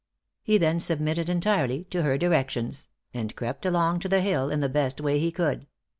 He then submitted entirely to her directions; and crept along to the hill in the best way he could.